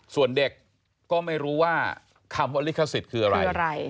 ส่วนเด็กก็ไม่รู้ว่าคำว่าลิขสิทธิ์คืออะไร